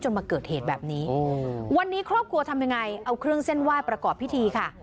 มาเกิดเหตุแบบนี้วันนี้ครอบครัวทำยังไงเอาเครื่องเส้นไหว้ประกอบพิธีค่ะ